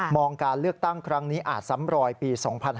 การเลือกตั้งครั้งนี้อาจซ้ำรอยปี๒๕๕๙